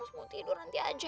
terus mau tidur nanti aja